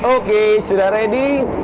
oke sudah ready